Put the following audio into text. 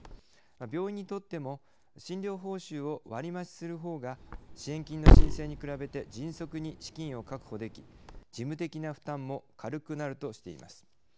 病院にとっても診療報酬を割り増しするほうが支援金の申請に比べて迅速に資金を確保でき事務的な負担も軽くなるとしています。